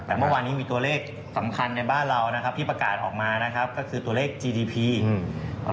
แต่เมื่อวานนี้มีตัวเลขสำคัญในบ้านเรานะครับที่ประกาศออกมานะครับก็คือตัวเลขจีดีพีอืม